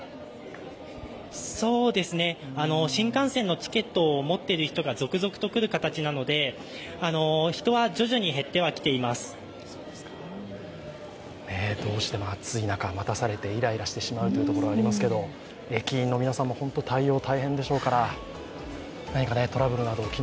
そうですね、新幹線のチケットを持っている人たちが続々と来る形なので人は徐々に減ってはきています。どうしても暑い中待たされてイライラしてしまうところがありますけど、駅員の皆さんも対応、大変でしょう。